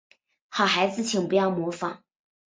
好孩子请不要模仿